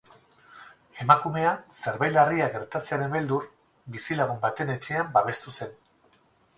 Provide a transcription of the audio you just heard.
Emakumea, zerbait larria gertatzearen beldur, bizilagun baten etxean babestu zen.